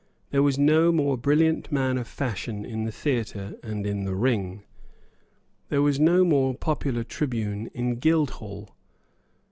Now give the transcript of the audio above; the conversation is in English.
There was no more brilliant man of fashion in the theatre and in the ring. There was no more popular tribune in Guildhall.